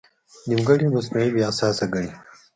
نیمګړی مصنوعي بې اساسه ګڼي.